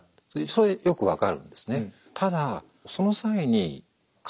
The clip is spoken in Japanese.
それよく分かるんですね。